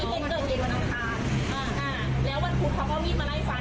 เห็นเกิดเห็นวันอาทางอ่าแล้ววันพุธเขาก็มีดมาไล่ฟัน